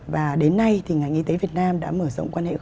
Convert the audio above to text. và đến nay thì ngành y tế việt nam đã mở rộng quan hệ quốc tế